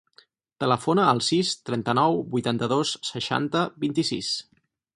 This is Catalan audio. Telefona al sis, trenta-nou, vuitanta-dos, seixanta, vint-i-sis.